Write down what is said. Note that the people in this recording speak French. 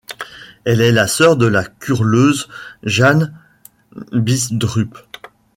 Elle est la sœur de la curleuse Jane Bidstrup.